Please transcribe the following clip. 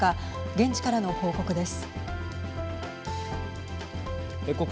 現地からの報告です。